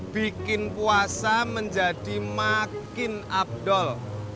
bikin puasa menjadi makin abdol